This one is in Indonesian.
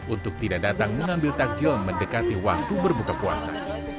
untuk tidak datang mengambil takjil mendekati waktu berbuka puasa